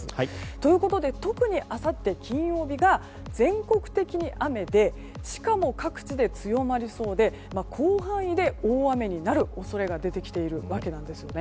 ということで、特にあさって金曜日が全国的に雨でしかも各地で強まりそうで広範囲で大雨になる恐れが出てきているわけなんですね。